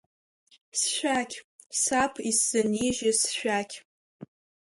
Сшәақь, саб исзынижьыз сшәақь!